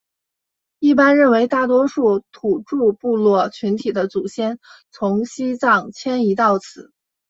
一般认为大多数土着部落群体的祖先从西藏迁移到此。